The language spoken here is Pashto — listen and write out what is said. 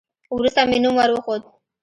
وروسته مې نوم ور وښود.